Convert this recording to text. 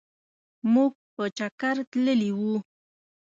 مونږ په چکرتللي وو.